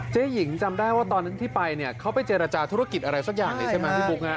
เจ๊หญิงจำได้ว่าตอนที่ไปเขาไปเจรจาธุรกิจอะไรสักอย่างนี้ใช่ไหมพี่บุ๊ค